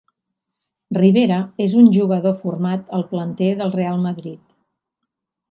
Rivera és un jugador format al planter del Real Madrid.